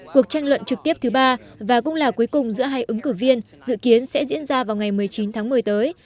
cuộc tranh luận trực tiếp thứ ba và cũng là cuối cùng giữa hai ứng cử viên dự kiến sẽ diễn ra vào ngày một mươi chín tháng một mươi tới